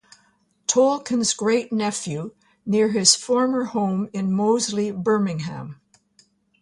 Tolkien's great-nephew, near his former home in Moseley, Birmingham.